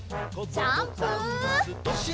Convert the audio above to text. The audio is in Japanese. ジャンプ！